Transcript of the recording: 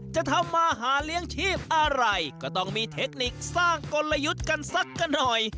จะทำมาหาเลี้ยงชีพอะไรก็ต้องมีเทคนิคสร้างกลยุทธ์กันสักกันหน่อย